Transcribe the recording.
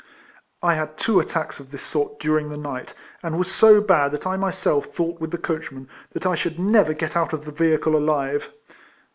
I had two attacks of this sort durinsr the night, and was so bad that I myself thought with the coachman, that I should never o^et out of the vehicle alive.